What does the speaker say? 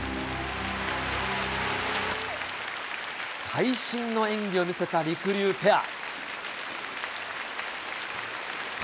会心の演技を見せたりくりゅうペア。